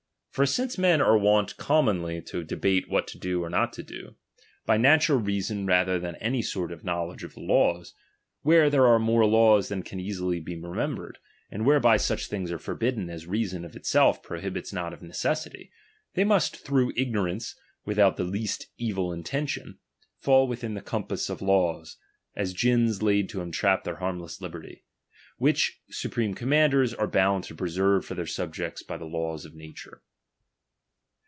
For since men are wont commonly to debate what to do or not to do, by natural reason rather than any knowledge of the laws, where there are more laws than can easily be remembered, and whereby such things are forbidden as reason of itself pro bibits not of necessity, they must through igno rance, without the least evil intention, fall within the compass of laws, as gins laid to entrap their harmless liberty ; which supreme commanders are fiound to preserve for their subjects by the laws of nature.